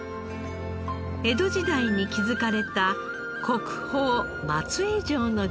江戸時代に築かれた国宝松江城の城下町。